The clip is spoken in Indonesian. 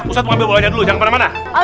ustadz mau ambil bolanya dulu jangan kemana mana